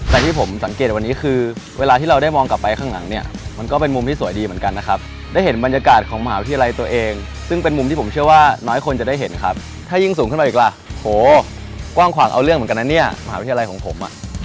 แต่ที่ผมสังเกตวันนี้คือเวลาที่เราได้มองกลับไปข้างหลังเนี่ยมันก็เป็นมุมที่สวยดีเหมือนกันนะครับ